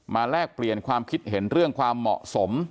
แลกเปลี่ยนความคิดเห็นเรื่องความเหมาะสม